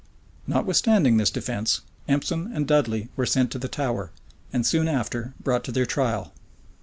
[*] Notwithstanding this defence, Empson and Dudley were sent to the Tower, and soon after brought to their trial.